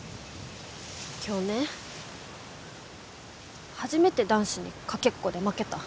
今日ね初めて男子にかけっこで負けた。